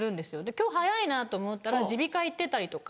今日早いなと思ったら耳鼻科行ってたりとか。